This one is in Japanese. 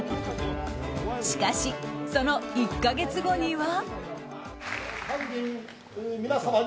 しかし、その１か月後には。